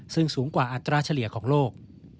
ซึ่งสูงกว่าอัตราเฉลี่ยของโลก